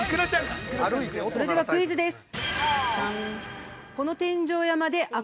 ◆それでは、クイズです。